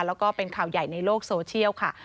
แล้วก็เป็นข่าวใหญ่ในโลกโซเชียลค่ะ